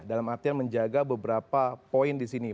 dalam artian menjaga beberapa poin di sini